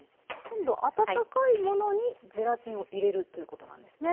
今度温かいものにゼラチンを入れるということなんですね。